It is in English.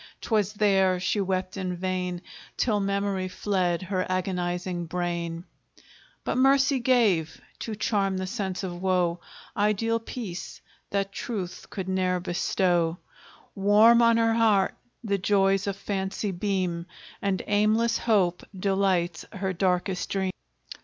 'Twas there she wept in vain, Till Memory fled her agonizing brain: But Mercy gave, to charm the sense of woe, Ideal peace, that truth could ne'er bestow; Warm on her heart the joys of Fancy beam, And aimless Hope delights her darkest dream.